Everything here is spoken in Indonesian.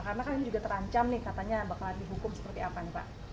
karena kan ini juga terancam nih katanya bakalan dihukum seperti apa nih pak